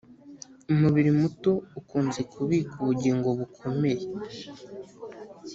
umubiri muto ukunze kubika ubugingo bukomeye.